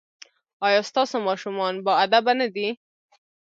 ایا ستاسو ماشومان باادبه نه دي؟